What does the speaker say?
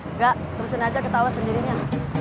enggak terusin aja ketawa sendirinya